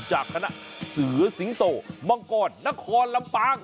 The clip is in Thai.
จากคณะเสือสิงโตมังกรนครลำปาง